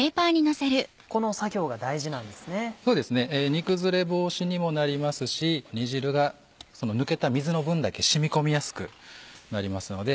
煮崩れ防止にもなりますし煮汁が抜けた水の分だけ染み込みやすくなりますので。